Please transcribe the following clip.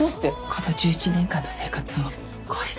この１１年間の生活を壊したくない。